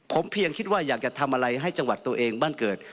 ผมเพียงคิดว่าอยากจะทำอะไรให้จังหวัดตัวเองบ้านเกิด